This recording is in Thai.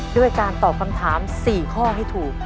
ด้วยการตอบคำถาม๔ข้อให้ถูก